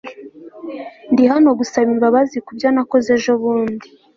ndi hano gusaba imbabazi kubyo nakoze ejobundi